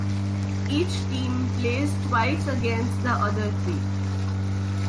Each team plays twice against the other three.